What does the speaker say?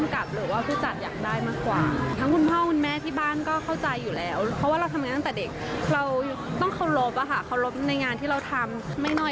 เข้ามาก็ถามกันไปได้